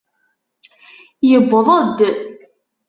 Yewweḍ-d.